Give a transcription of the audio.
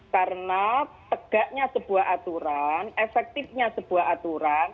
karena tegaknya sebuah aturan efektifnya sebuah aturan